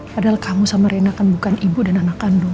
padahal kamu sama rena kan bukan ibu dan anak kandung